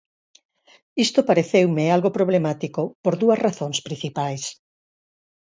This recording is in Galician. Isto pareceume algo problemático por dúas razóns principais.